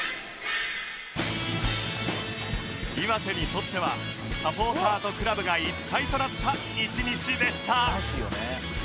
岩手にとってはサポーターとクラブが一体となった一日でした